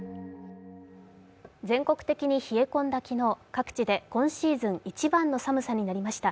全国的に冷え込んだ昨日、各地で今シーズン一番の寒さになりました。